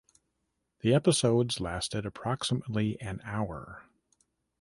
The episodes lasted approximately an hour.